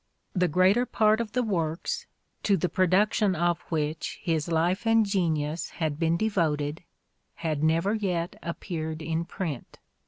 The greater part of the works, to the production of which his life and genius had been devoted, had never yet appeared in print.